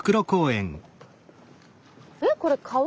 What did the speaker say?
えっこれ川？